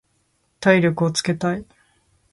体力をつけたい。